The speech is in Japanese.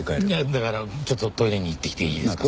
だからちょっとトイレに行ってきていいですか？